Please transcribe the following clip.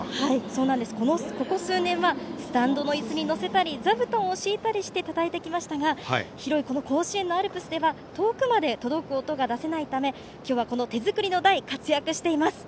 ここ数年はスタンドのいすに載せたり座布団を敷いたりしてたたいてきましたが広い甲子園のアルプスでは遠くまで届く音が出せないため今日は手作りの台が活躍しています。